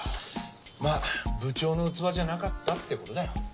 まあ部長の器じゃなかったってことだよ。